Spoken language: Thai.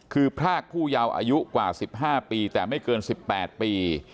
คือพรากผู้ยาวอายุกว่า๑๕ปีแต่ไม่เกิน๑๘ปี